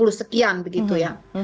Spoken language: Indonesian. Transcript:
delapan puluh sekian begitu ya